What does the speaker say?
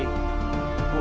tidak akan berlaku lagi